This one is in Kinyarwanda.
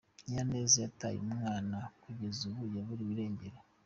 Nyiraneza wataye umwana kugeza ubu yaburiwe irengero.